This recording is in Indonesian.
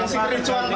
nah gitu aja